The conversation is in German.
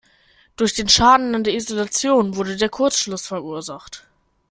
Durch den Schaden an der Isolation wurde der Kurzschluss verursacht.